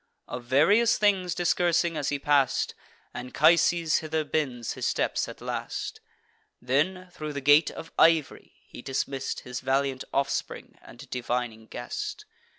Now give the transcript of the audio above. Of various things discoursing as he pass'd, Anchises hither bends his steps at last. Then, thro' the gate of iv'ry, he dismiss'd His valiant offspring and divining guest.